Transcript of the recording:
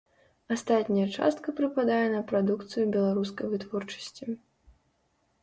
Астатняя частка прыпадае на прадукцыю беларускай вытворчасці.